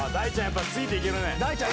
大ちゃん